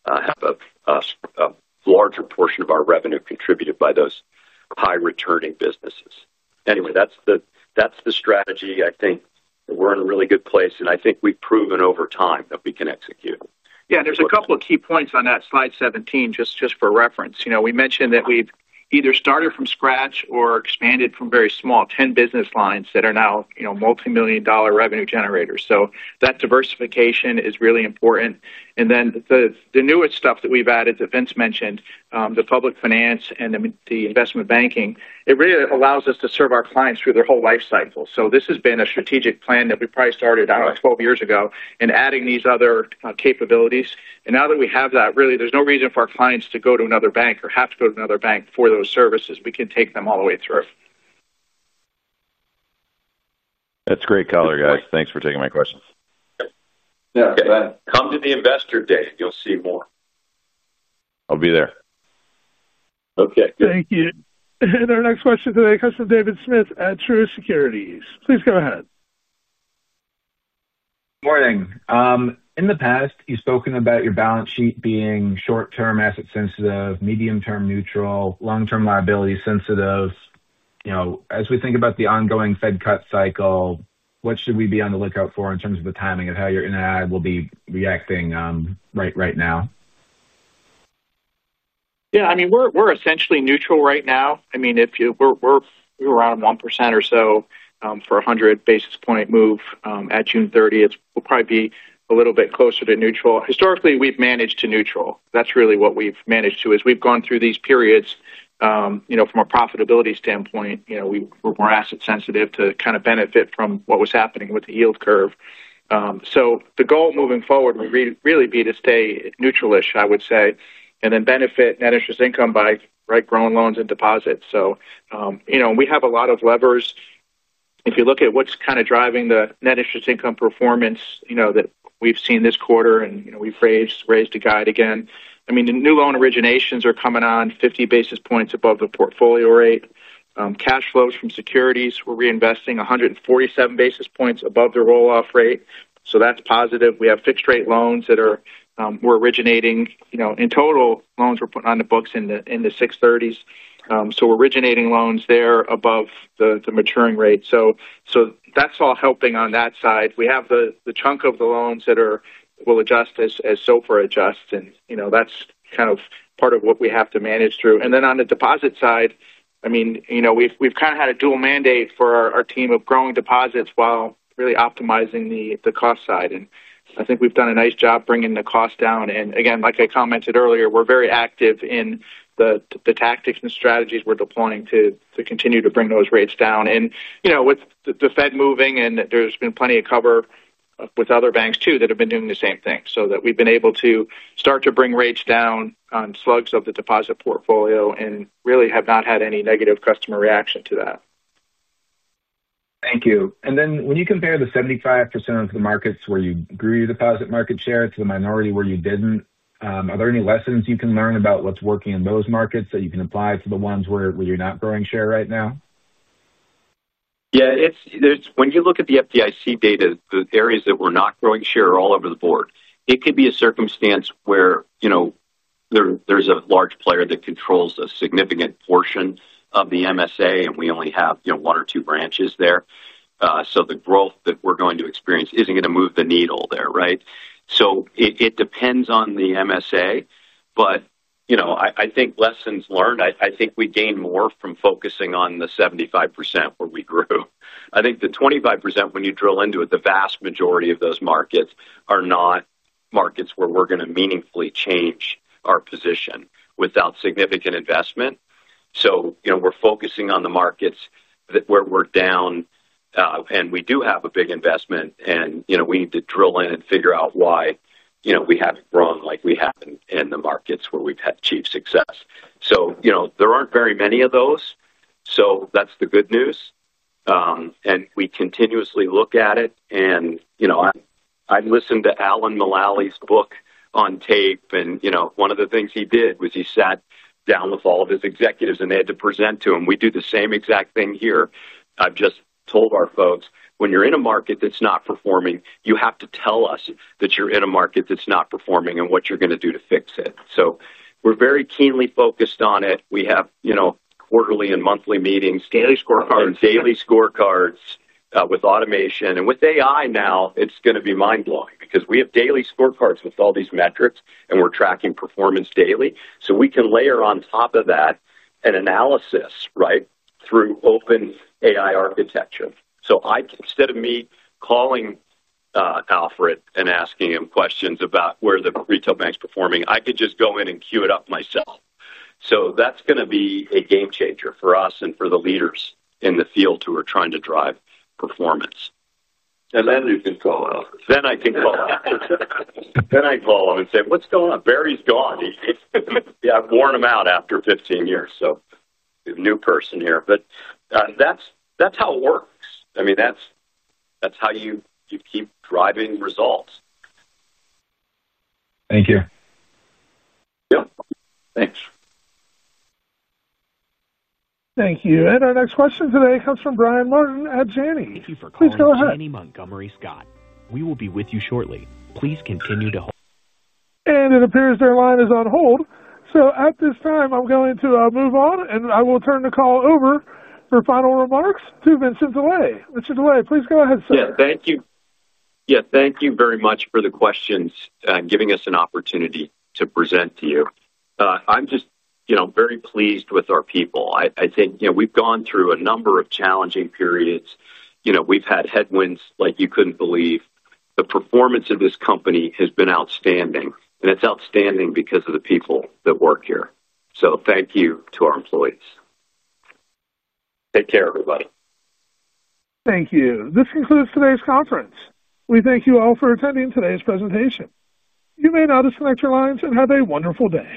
have a larger portion of our revenue contributed by those high-returning businesses. Anyway, that's the strategy. I think we're in a really good place, and I think we've proven over time that we can execute. Yeah, and there's a couple of key points on that slide 17 just for reference. You know, we mentioned that we've either started from scratch or expanded from very small 10 business lines that are now, you know, multimillion-dollar revenue generators. That diversification is really important. The newest stuff that we've added that Vince mentioned, the public finance and the investment banking, really allows us to serve our clients through their whole life cycle. This has been a strategic plan that we probably started, I don't know, 12 years ago in adding these other capabilities. Now that we have that, really, there's no reason for our clients to go to another bank or have to go to another bank for those services. We can take them all the way through. That's great color, guys. Thanks for taking my question. Yeah, come to the investor day. You'll see more. I'll be there. Okay, good. Thank you. Our next question today comes from David Smith at True Securities. Please go ahead. Morning. In the past, you've spoken about your balance sheet being short-term asset-sensitive, medium-term neutral, long-term liability sensitive. As we think about the ongoing Fed cut cycle, what should we be on the lookout for in terms of the timing of how your NI will be reacting right now? Yeah, I mean, we're essentially neutral right now. I mean, if you were around 1% or so, for a 100 basis point move at June 30, we'll probably be a little bit closer to neutral. Historically, we've managed to neutral. That's really what we've managed to as we've gone through these periods, you know, from a profitability standpoint. You know, we're more asset-sensitive to kind of benefit from what was happening with the yield curve. The goal moving forward would really be to stay neutral-ish, I would say, and then benefit net interest income by growing loans and deposits. We have a lot of levers. If you look at what's kind of driving the net interest income performance that we've seen this quarter and we've raised to guide again. The new loan originations are coming on 50 basis points above the portfolio rate. Cash flows from securities we're reinvesting 147 basis points above the roll-off rate. That's positive. We have fixed-rate loans that are, we're originating, you know, in total, loans we're putting on the books in the 630s. We're originating loans there above the maturing rate. That's all helping on that side. We have the chunk of the loans that will adjust as SOFR adjusts, and that's kind of part of what we have to manage through. On the deposit side, we've kind of had a dual mandate for our team of growing deposits while really optimizing the cost side. I think we've done a nice job bringing the cost down. Again, like I commented earlier, we're very active in the tactics and strategies we're deploying to continue to bring those rates down. With the Fed moving and there's been plenty of cover with other banks too that have been doing the same thing, we've been able to start to bring rates down on slugs of the deposit portfolio and really have not had any negative customer reaction to that. Thank you. When you compare the 75% of the markets where you grew your deposit market share to the minority where you didn't, are there any lessons you can learn about what's working in those markets that you can apply to the ones where you're not growing share right now? Yeah, when you look at the FDIC data, the areas that we're not growing share are all over the board. It could be a circumstance where there's a large player that controls a significant portion of the MSA, and we only have one or two branches there. The growth that we're going to experience isn't going to move the needle there, right? It depends on the MSA. I think lessons learned, I think we gain more from focusing on the 75% where we grew. I think the 25%, when you drill into it, the vast majority of those markets are not markets where we're going to meaningfully change our position without significant investment. We're focusing on the markets where we're down, and we do have a big investment, and we need to drill in and figure out why we haven't grown like we have in the markets where we've had chief success. There aren't very many of those. That's the good news. We continuously look at it. I've listened to Alan Mulally's book on tape, and one of the things he did was he sat down with all of his executives, and they had to present to him. We do the same exact thing here. I've just told our folks, when you're in a market that's not performing, you have to tell us that you're in a market that's not performing and what you're going to do to fix it. We're very keenly focused on it. We have quarterly and monthly meetings. Daily scorecards. Daily scorecards, with automation. With AI now, it's going to be mind-blowing because we have daily scorecards with all these metrics, and we're tracking performance daily. We can layer on top of that an analysis, right, through open AI architecture. Instead of me calling Alfred and asking him questions about where the retail bank's performing, I could just go in and queue it up myself. That's going to be a game changer for us and for the leaders in the field who are trying to drive performance. You can call Alfred. I can call Alfred. I can call him and say, "What's going on? Barry's gone." I've worn him out after 15 years, so a new person here. That's how it works. That's how you keep driving results. Thank you. Yep. Thanks. Thank you. Our next question today comes from Brian Martin at Janney. Thank you for calling us, Janney Montgomery Scott. We will be with you shortly. Please continue to hold. It appears their line is on hold. At this time, I'm going to move on, and I will turn the call over for final remarks to Vincent J. Delie. Vincent J. Delie, please go ahead, sir. Thank you very much for the questions and giving us an opportunity to present to you. I'm just very pleased with our people. I think we've gone through a number of challenging periods. We've had headwinds like you couldn't believe. The performance of this company has been outstanding, and it's outstanding because of the people that work here. Thank you to our employees. Take care, everybody. Thank you. This concludes today's conference. We thank you all for attending today's presentation. You may now disconnect your lines and have a wonderful day.